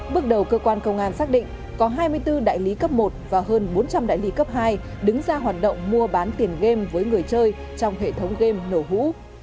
bước đầu cơ quan công an xác định có hai mươi bốn đại lý cấp một và hơn bốn trăm linh đại lý cấp hai đứng ra hoạt động mua bán tiền game với người chơi trong hệ thống game nổ hũ